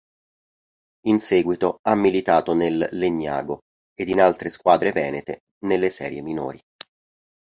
In seguito ha militato nel Legnago ed in altre squadre venete nelle serie minori.